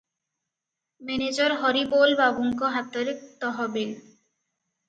Manager Haribol ବାବୁଙ୍କ ହାତରେ ତହବିଲ ।